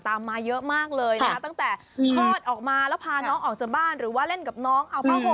รู้สึกถือกิ๊บอังกฤษฎีก็แบบที่ดูของไม่มีได้